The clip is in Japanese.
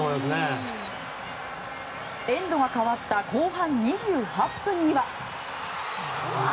エンドが変わった後半２８分には。